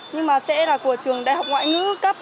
nhưng mà sẽ là của trường đại học ngoại ngữ cấp